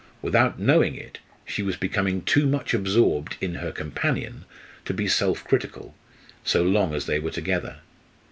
Without knowing it, she was becoming too much absorbed in her companion to be self critical, so long as they were together.